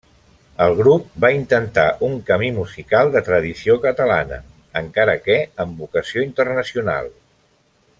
El grup va intentar un camí musical de tradició catalana, encara que amb vocació internacional.